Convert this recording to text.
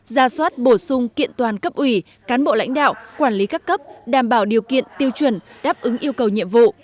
ra soát bổ sung kiện toàn cấp ủy cán bộ lãnh đạo quản lý các cấp đảm bảo điều kiện tiêu chuẩn đáp ứng yêu cầu nhiệm vụ